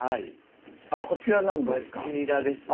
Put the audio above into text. あっこちらなんですか？